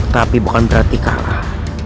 tapi bukan berarti kalah